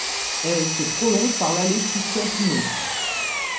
Elle se prolonge par l'allée Christian-Pineau.